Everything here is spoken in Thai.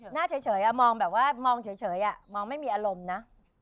หน้าเฉยอ่ะมองแบบว่าใช่ง็ไม่มีอารมณ์นะ